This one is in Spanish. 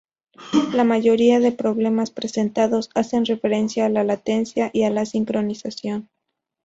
La mayoría de problemas presentados hacen referencia a la latencia y a la sincronización.